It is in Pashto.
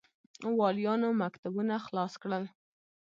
والیانو مکتوبونه خلاص کړل.